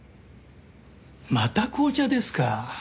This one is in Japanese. また紅茶ですか。